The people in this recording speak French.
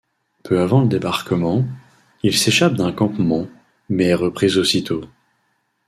Peu avant le débarquement, il s'échappe d'un campement mais est repris aussitôt.